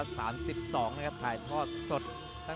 สวัสดีครับทุกคน